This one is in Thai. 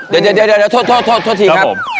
เดี๋ยวโทษทีครับ